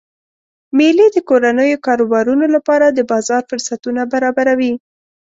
میلې د کورنیو کاروبارونو لپاره د بازار فرصتونه برابروي.